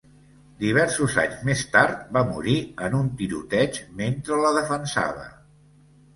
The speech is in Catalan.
Diversos anys més tard, va morir en un tiroteig mentre la defensava.